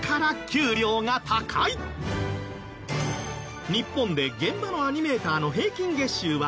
日本で現場のアニメーターの平均月収は１９万円。